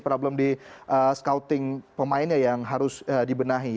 problem di scouting pemainnya yang harus dibenahi